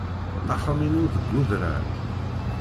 Axxam-inu deg udrar.